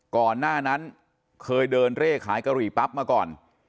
ก่อนหน้านั้นเคยเดินเร่ขายกะหรี่ปั๊บมาก่อน